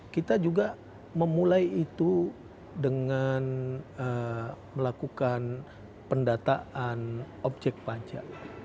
kita juga memulai itu dengan melakukan pendataan objek pajak